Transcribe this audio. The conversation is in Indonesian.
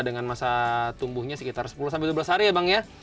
dengan masa tumbuhnya sekitar sepuluh sampai dua belas hari ya bang ya